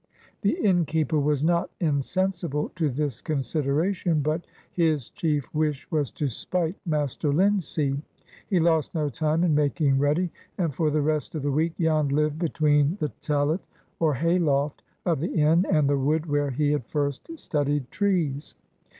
The innkeeper was not insensible to this consideration, but his chief wish was to spite Master Linseed. He lost no time in making ready, and for the rest of the week Jan lived between the tallet (or hay loft) of the inn and the wood where he had first studied trees.